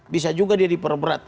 bisa juga dia diperberat